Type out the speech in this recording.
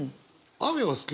雨は好き？